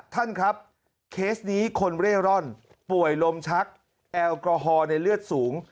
ท่านครับเคสนี้คนเร่ร่อนป่วยลมชักแอลกอฮอล์ในเลือดสูง